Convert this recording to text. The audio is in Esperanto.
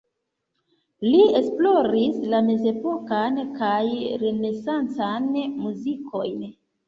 Li esploris la mezepokan kaj renesancan muzikojn.